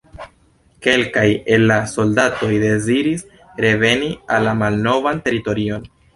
Kelkaj el la soldatoj deziris reveni en la malnovan teritorion.